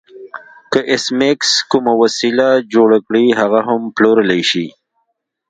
که ایس میکس کومه وسیله جوړه کړي هغه هم پلورلی شي